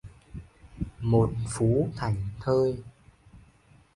Một phú thảnh thơi